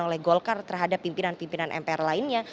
oleh golkar terhadap pimpinan pimpinan mpr lainnya